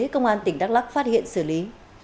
công an tỉnh đắk lắc phát hiện xử lý